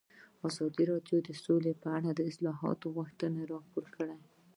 ازادي راډیو د سوله په اړه د اصلاحاتو غوښتنې راپور کړې.